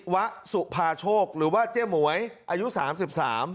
วะสุภาโชคหรือว่าเจ๊หมวยอายุสามสิบสาม